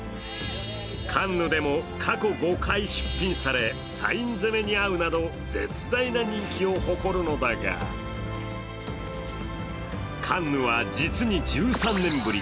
カンヌでも過去５回出品されサイン攻めにあうなど絶大な人気を誇るのだが、カンヌは実に１３年ぶり